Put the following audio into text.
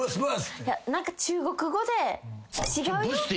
何か中国語で「違うよ」